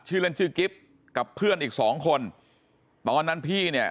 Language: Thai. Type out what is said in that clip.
เล่นชื่อกิ๊บกับเพื่อนอีกสองคนตอนนั้นพี่เนี่ย